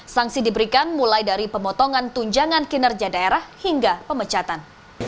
sanksi diberikan mulai dari pemotongan tunjangan kinerja daerah hingga pemecatan